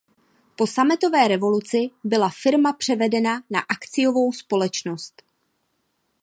Po sametové revoluci byla firma převedena na akciovou společnost.